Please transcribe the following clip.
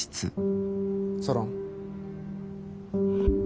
ソロン。